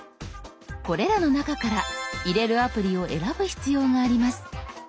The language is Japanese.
これらの中から入れるアプリを選ぶ必要があります。